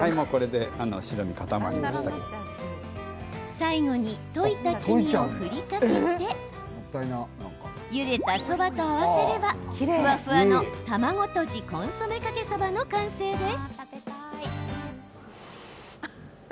最後に溶いた黄身を振りかけてゆでたそばと合わせればふわふわの卵とじコンソメかけそばの完成です。